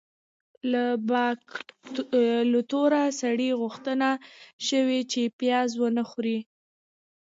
له باکلتوره سړي غوښتنه شوې چې پیاز ونه خوري.